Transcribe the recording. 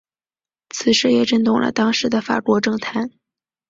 此事也震动了当时的法国政坛。